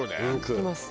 いきます。